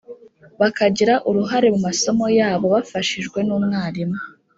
bakagira uruhare mu masomo yabo bafashijwe n’umwarimu.